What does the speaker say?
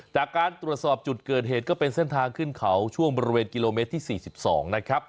จากการตรวจสอบจุดเกิดเหตุก็เป็นเส้นทางขึ้นเขาช่วงบริเวณกิโลเมตรที่๔๒นะครับ